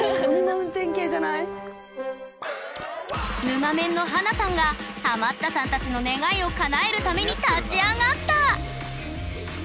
ぬまメンの華さんがハマったさんたちの願いをかなえるために立ち上がった！